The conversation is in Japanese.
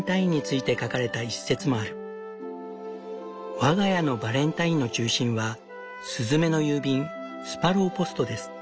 「我が家のバレンタインの中心はスズメの郵便スパローポストです。